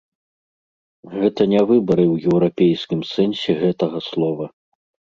Гэта не выбары ў еўрапейскім сэнсе гэтага слова.